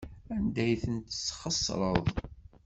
Anda ay ten-tesxeṣreḍ?